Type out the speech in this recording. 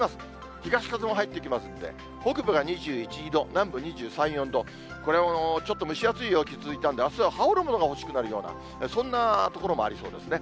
東風も入ってきますんで、北部が２１、２度、南部２３、４度、これはちょっと蒸し暑い陽気が続いたので、あすは羽織るものが欲しくなるような、そんなところもありそうですね。